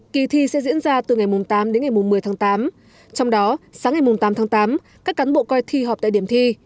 kỳ thi sẽ diễn ra từ ngày tám đến ngày một mươi tháng tám trong đó sáng ngày tám tháng tám các cán bộ coi thi họp tại điểm thi